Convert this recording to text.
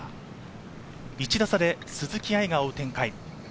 １打差で鈴木愛が追う展開。